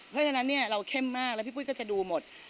เพราะฉะนั้นเนี่ยเราเข้มมากแล้วพี่ปุ้ยก็จะดูหมด